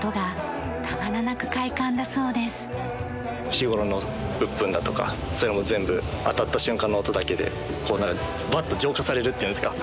日頃の鬱憤だとかそういうのも全部当たった瞬間の音だけでこうなんかバッと浄化されるっていうんですか。